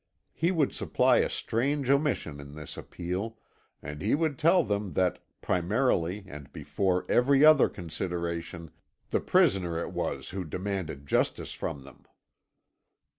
He would supply a strange omission in this appeal, and he would tell them that, primarily and before every other consideration, the prisoner it was who demanded justice from them.